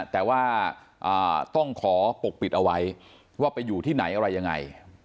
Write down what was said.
แต่ว่าต้องขอปกปิดเอาไว้ว่าไปอยู่ที่ไหนอะไรยังไง